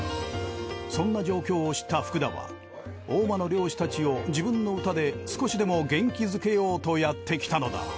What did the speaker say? そんな状況を知った福田は大間の漁師たちを自分の歌で少しでも元気づけようとやってきたのだ。